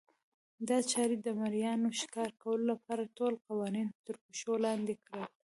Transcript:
دا چارې د مریانو ښکار کولو لپاره ټول قوانین ترپښو لاندې کړل.